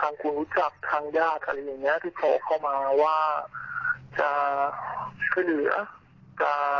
คุณผู้ชมฟังเสียงของคุณแม่กันหน่อยนะคะ